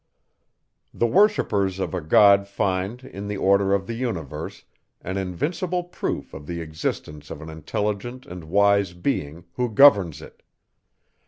The worshippers of a God find, in the order of the universe, an invincible proof of the existence of an intelligent and wise being, who governs it.